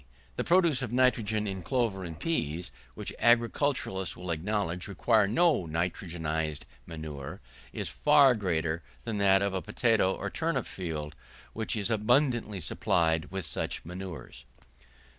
The produce of nitrogen in clover and peas, which agriculturists will acknowledge require no nitrogenised manure, is far greater than that of a potato or turnip field, which is abundantly supplied with such manures.